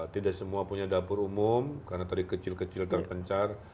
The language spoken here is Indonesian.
tidak semua punya dapur umum karena tadi kecil kecil terpencar